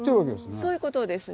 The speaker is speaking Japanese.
そういうことですね。